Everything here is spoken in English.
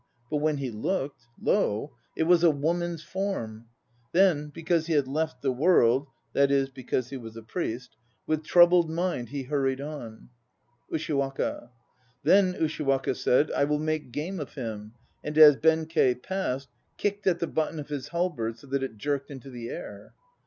... But when he looked, lo! it was a woman's form! Then, because he had left the World, 1 with troubled mind he hurried on. USHIWAKA. Then Ushiwaka said, "I will make game of him," and as Benkei passed Kicked at the button of his halberd so that it jerked into the air.